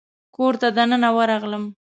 کور ته دننه ورغلم.